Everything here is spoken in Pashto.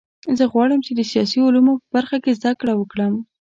زه غواړم چې د سیاسي علومو په برخه کې زده کړه وکړم